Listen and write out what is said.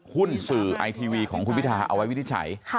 หุ้นสื่อไอทีวีของคุณพิทาเอาไว้วินิจฉัย